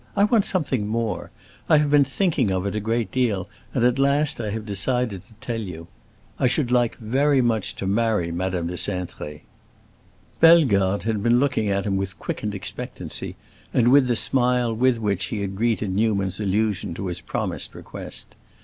I want something more. I have been thinking of it a good deal, and at last I have decided to tell you. I should like very much to marry Madame de Cintré." Bellegarde had been looking at him with quickened expectancy, and with the smile with which he had greeted Newman's allusion to his promised request.